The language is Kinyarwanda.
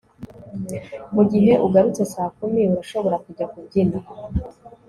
mugihe ugarutse saa kumi, urashobora kujya kubyina